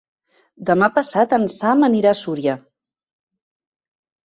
Demà passat en Sam anirà a Súria.